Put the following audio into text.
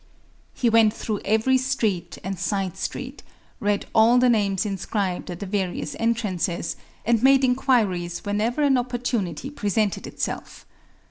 He went through every street and side street, read all the names inscribed at the various entrances, and made inquiries whenever an opportunity presented itself.